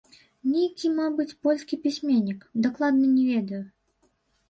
Нейкі, мабыць, польскі пісьменнік, дакладна не ведаю.